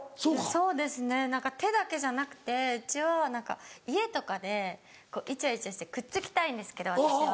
そうですね手だけじゃなくてうちは何か家とかでイチャイチャしてくっつきたいんですけど私は。